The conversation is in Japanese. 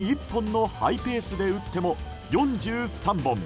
たとえ２試合に１本のハイペースで打っても、４３本。